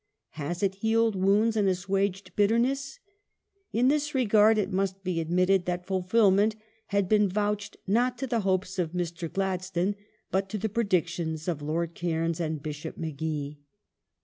Has it healed wounds and assuaged bitterness ? In this regard it must be admitted that fulfilment had been vouched not to the hopes of Mr. Gladstone, but to the predictions of Lord Cairns and Bishop Magee.